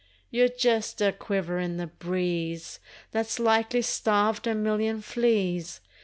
You're jest a quiver in the breeze That's likely starved a million fleas.